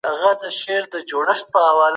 بهرنۍ تګلاره بې له مشوري څخه نه جوړیږي.